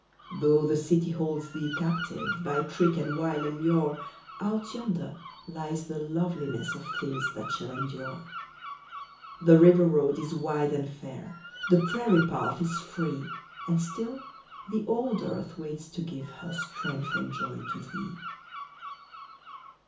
Though the city holds thee captive By trick, and wile, and lure, Out yonder lies the loveliness Of things that shall endure. The river road is wide and fair, The prairie path is free, And still the old earth waits to give Her strength and joy to thee.